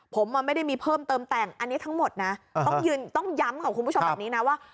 ผมไม่ได้มีเพิ่มเติมแต่งอันนี้ทั้งหมดนะต้องย้ำกับคุณผู้ชมแบบนี้นะว่า